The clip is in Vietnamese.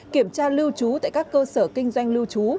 kiểm tra lưu trú tại các cơ sở kinh doanh lưu trú